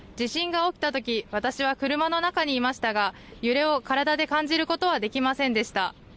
地震が起きたとき私は車の中にいましたが体で感じることはできませんでした。